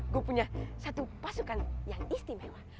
gue punya satu pasukan yang istimewa